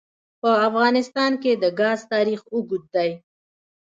په افغانستان کې د ګاز تاریخ اوږد دی.